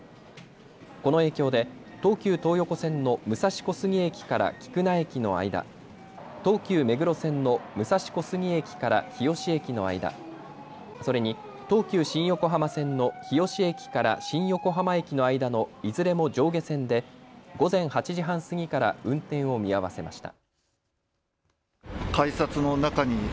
この影響で東急東横線の武蔵小杉駅から菊名駅の間、東急目黒線の武蔵小杉駅から日吉駅の間、それに東急新横浜線の日吉駅から新横浜駅の間のいずれも上下線で午前８時半過ぎから運転を見合わせました。